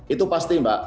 itu pasti mbak